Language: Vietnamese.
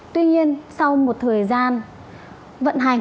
tuy nhiên sau một thời gian vận hành